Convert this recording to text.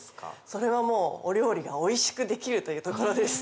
それはお料理がおいしくできるというところです。